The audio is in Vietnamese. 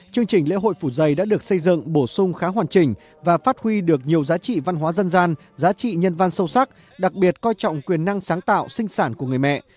chương trình lễ hội phủ dây đã được xây dựng bổ sung khá hoàn chỉnh và phát huy được nhiều giá trị văn hóa dân gian giá trị nhân văn sâu sắc đặc biệt coi trọng quyền năng sáng tạo sinh sản của người mẹ